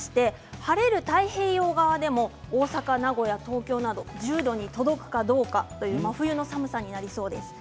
晴れる太平洋側でも大阪、名古屋、東京など１０度に届くかどうかという真冬の寒さとなりそうです。